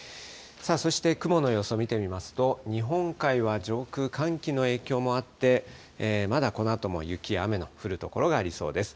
そして雲の様子を見てみますと、日本海は上空、寒気の影響もあって、まだこのあとも雪や雨の降る所がありそうです。